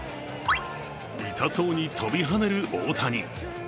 痛そうに跳びはねる大谷。